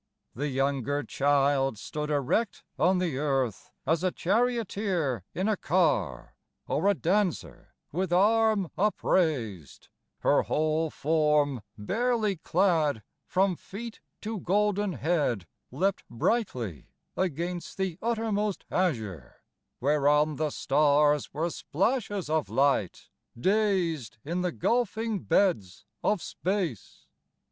The younger child stood erect on the Earth As a charioteer in a car Or a dancer with arm upraised; Her whole form barely clad From feet to golden head Leapt brightly against the uttermost azure, Whereon the stars were splashes of light Dazed in the gulfing beds of space.